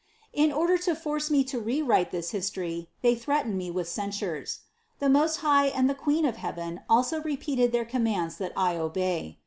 In order to force me to rewrite this history, they threatened me with cen sures. The Most High and the Queen of heaven also repeated their commands that I obey.